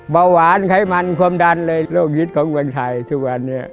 เบาหวานไขมันความดันเลยโรคหิตของวันชายทุกวันเนี้ย